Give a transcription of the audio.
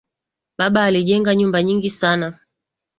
Baba alijenga nyumba nyingi sana